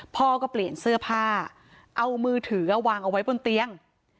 พ่อก็เปลี่ยนเสื้อผ้าเอามือถือวางเอาไว้บนเตียง